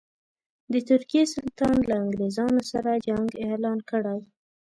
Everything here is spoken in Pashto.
د ترکیې سلطان له انګرېزانو سره جنګ اعلان کړی.